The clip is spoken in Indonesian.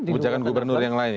kebijakan gubernur yang lain